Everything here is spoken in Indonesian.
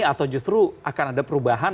atau justru akan ada perubahan